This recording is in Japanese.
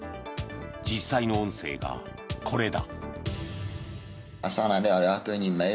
実際の音声がこれだ。